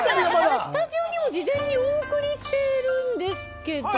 スタジオにも事前にお送りしています。